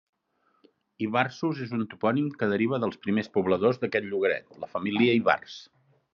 Ivarsos és un topònim que deriva dels primers pobladors d'aquest llogaret, la família Ivars.